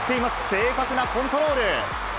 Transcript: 正確なコントロール。